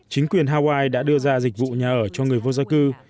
chính quyền hawaii đã đưa ra dịch vụ nhà ở cho người vô gia cư